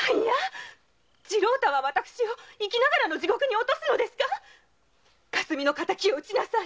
次郎太は私を生きながらの地獄に落とすのですかかすみの敵を討ちなさい